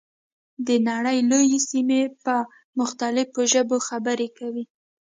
د نړۍ لویې سیمې په مختلفو ژبو خبرې کوي.